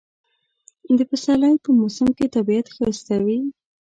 د پسرلی په موسم کې طبیعت ښایسته وي